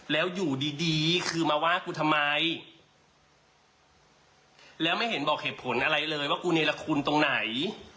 แล้วอยู่ดีดีคือมาว่ากูทำไมแล้วไม่เห็นบอกเหตุผลอะไรเลยว่ากูเนรคุณตรงไหน